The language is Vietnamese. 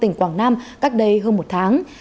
tỉnh quảng nam cắt đây hơn một tháng